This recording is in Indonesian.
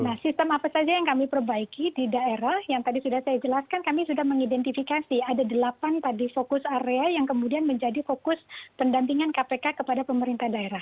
nah sistem apa saja yang kami perbaiki di daerah yang tadi sudah saya jelaskan kami sudah mengidentifikasi ada delapan tadi fokus area yang kemudian menjadi fokus pendampingan kpk kepada pemerintah daerah